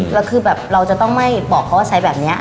แล้วคือแบบเราจะต้องไม่บอกเขาว่าใช้แบบนี้